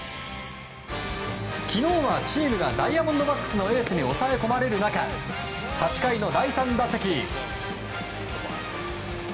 昨日はチームがダイヤモンドバックスのエースに抑え込まれる中８回の第３打席。